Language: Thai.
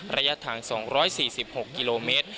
ระยะทาง๒๔๖กิโลเมตร